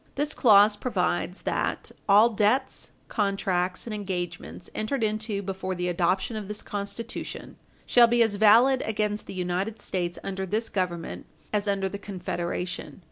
This clause provides that "all debts, contracts, and engagements entered into before the adoption of this Constitution shall be as valid against the United States under this Government as under the Confederation."